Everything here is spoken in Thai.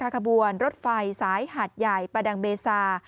ขบวนรถไฟสายหาดใหญ่ประดังเบซา